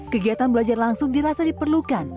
kegiatan belajar langsung dirasa diperlukan